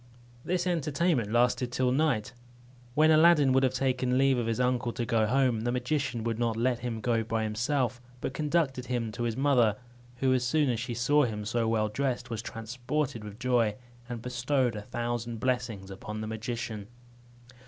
This entertainment lasted till night, when Aladdin would have taken leave of his uncle to go home; the magician would not let him go by himself, but conducted him to his mother, who, as soon as she saw him so well dressed, was transported with joy, and bestowed a thousand blessings upon the magician.